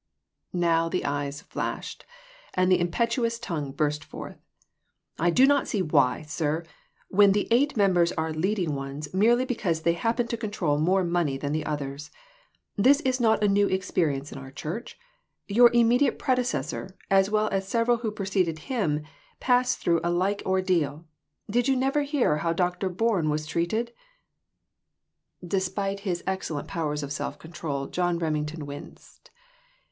Now the eyes flashed, and the impetuous tongue burst forth. "I do not see why, sir, when the eight members are 'leading ones' merely because they happen to control more money than the others. This is not a new experience in our church. Your immediate predecessor, as well as several who preceded him, passed through a like ordeal. Did you never hear how Dr. Bourne was treated ?" 344 PRECIPITATION. Despite his excellent powers of self control, John Remington winced.